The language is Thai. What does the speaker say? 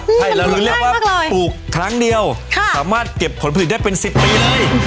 มันปลูกง่ายมากเลยให้เราเรียกว่าปลูกครั้งเดียวสามารถเก็บผลผลิตได้เป็น๑๐ปีเลย